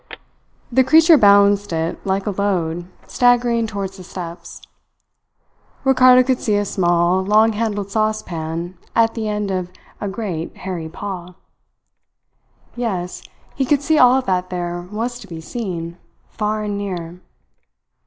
The creature balanced it like a load, staggering towards the steps. Ricardo could see a small, long handled saucepan at the end of a great hairy paw. Yes, he could see all that there was to be seen, far and near.